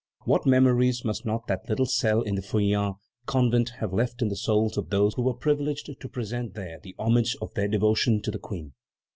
What memories must not that little cell in the Feuillants convent have left in the souls of those who were privileged to present there the homage of their devotion to the Queen!